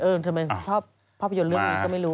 เอิงทำไมชอบพ่อประโยชน์เรื่องนี้ก็ไม่รู้